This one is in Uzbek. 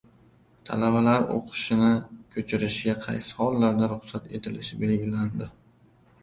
Talabalar o‘qishini ko‘chirishga qaysi hollarda ruxsat etilishi belgilandi